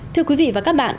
thưa quý vị và các bạn